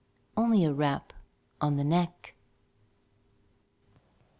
only a rap on the neck."